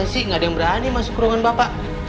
masih gak ada yang berani masuk ke ruangan bapak